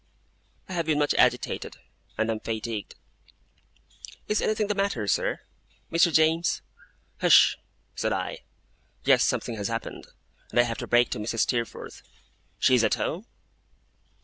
'I have been much agitated, and am fatigued.' 'Is anything the matter, sir? Mr. James? ' 'Hush!' said I. 'Yes, something has happened, that I have to break to Mrs. Steerforth. She is at home?